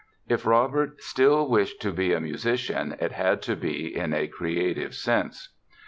If Robert still wished to be a musician it had to be in a creative sense.